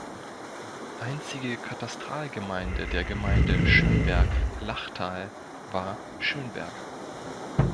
Einzige Katastralgemeinde der Gemeinde Schönberg-Lachtal war Schönberg.